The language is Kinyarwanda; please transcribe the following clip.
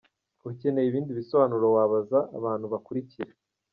Ukeneye ibindi bisobanuro wabaza abantu bakurikira :